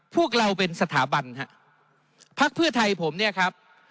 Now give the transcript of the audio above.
พวกเราเป็นสถาบันฮะพักเพื่อไทยผมเนี่ยครับ